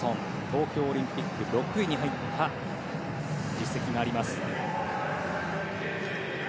東京オリンピック６位に入った実績があります。